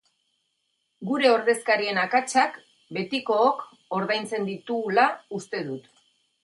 Gure ordezkarien akatsak betikook ordaintzen ditugula uste dut.